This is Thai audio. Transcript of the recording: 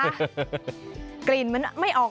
มันมาเป็นรูปถ่ายที่อยู่ในโทรศัพท์มือถือหรือคะ